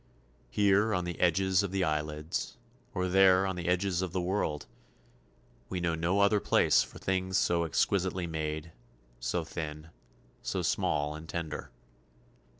Here on the edges of the eyelids, or there on the edges of the world we know no other place for things so exquisitely made, so thin, so small and tender.